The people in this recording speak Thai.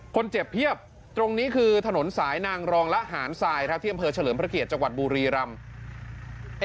คนเจ็บเพียบตรงนี้คือถนนสายนางรองละหารทรายครับที่อำเภอเฉลิมพระเกียรติจังหวัดบุรีรำ